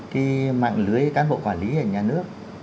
cái mạng lưới cán bộ quản lý của nhà nước